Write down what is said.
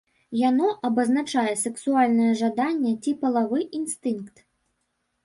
Яно абазначае сэксуальнае жаданне ці палавы інстынкт.